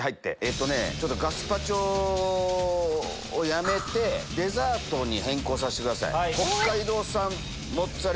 ガスパチョをやめてデザートに変更させてください。